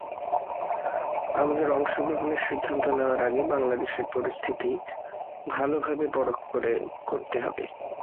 আমাদের অংশগ্রহণের সিদ্ধান্ত নেওয়ার আগে বাংলাদেশের পরিস্থিতি ভালোভাবে পরখ করতে হবে।